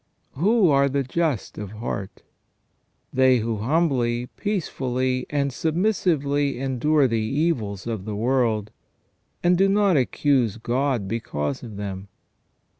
Who are the just of heart ? They who humbly, peacefully, and submissively endure the evils of the world, and do not accuse God because of them.